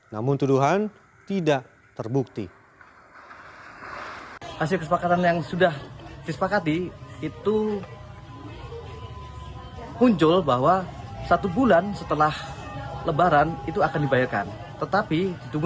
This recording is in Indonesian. namun tuduhan tidak terbukti